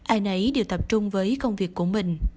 ai nấy đều tập trung với công việc của mình